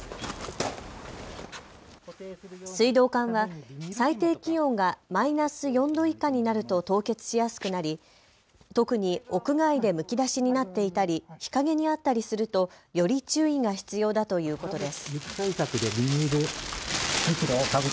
水道管は最低気温がマイナス４度以下になると凍結しやすくなり特に屋外でむき出しになっていたり日陰にあったりするとより注意が必要だということです。